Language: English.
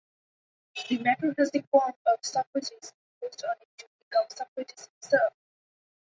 The matter has the 'form' of Socrates imposed on it to become Socrates himself.